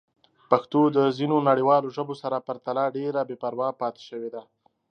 پښتو د ځینو نړیوالو ژبو سره پرتله ډېره بې پروا پاتې شوې ده.